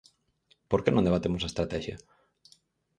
¿Por que non debatemos a estratexia?